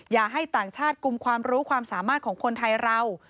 อย่าให้ต่างชาติกลุ่มความรู้ความสามารถของคนไทยเรา